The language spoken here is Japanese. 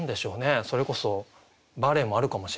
それこそバレエもあるかもしれないし。